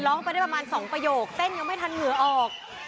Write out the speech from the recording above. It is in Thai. ร้องไปได้ประมาณ๒ประโยคเต้นยังไม่ทันเหงื่อออก